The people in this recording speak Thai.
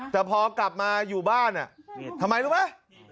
แต่พอกลับมาอยู่บ้านทำไมรู้ไหม